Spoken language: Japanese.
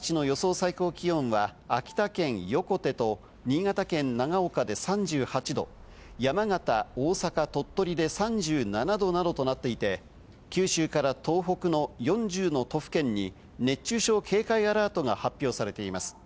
最高気温は、秋田県横手と、新潟県長岡で３８度、山形、大阪、鳥取で３７度などとなっていて、九州から東北の４０の都府県に熱中症警戒アラートが発表されています。